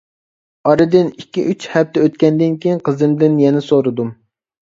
ئارىدىن ئىككى ئۈچ ھەپتە ئۆتكەندىن كېيىن قىزىمدىن يەنە سورۇدۇم.